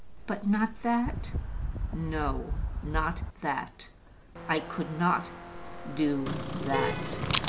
"But not that?" "No; not that. I could not do that."